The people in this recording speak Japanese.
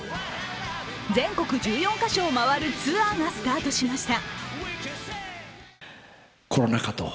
全国１４か所を回るツアーがスタートしました。